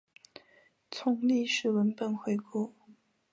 从历史文本回顾